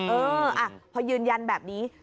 เออพอยืนยันแบบนี้